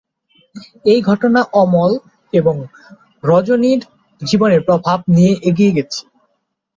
এই ঘটনা অমল এবং রজনীর জীবনে প্রভাব নিয়ে এগিয়ে গেছে।